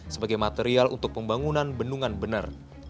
sebagai material untuk pembangunan bendungan bener